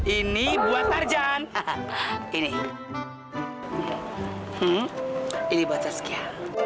ini buat tarzan ini ini buat saskia